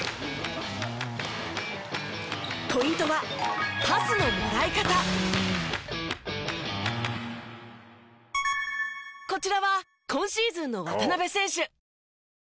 ポイントはこちらは今シーズンの渡邊選手。